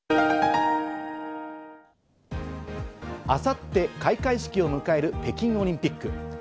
明後日、開会式を迎える北京オリンピック。